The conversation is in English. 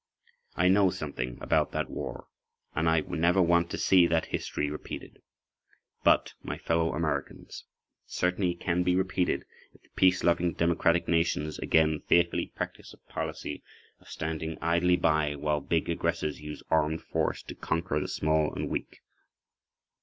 I know something about that war, and I never want to see that history repeated. But, my fellow Americans, it certainly can be repeated if the peace loving democratic nations again fearfully practice a policy of standing idly by while big aggressors use armed force to conquer the small and weak.